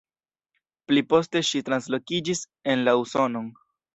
Pli poste ŝi translokiĝis en la Usonon.